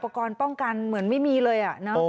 เพราะอุปกรณ์ป้องกันเหมือนไม่มีเลย